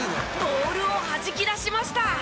ボールをはじき出しました！